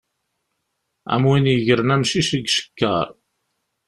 Am win yegren amcic deg ucekkaṛ.